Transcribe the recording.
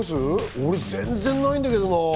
俺、全然ないんだけどな。